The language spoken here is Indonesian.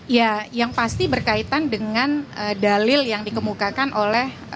ya yang pasti berkaitan dengan dalil yang dikemukakan oleh